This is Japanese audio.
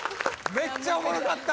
めっちゃおもろかった。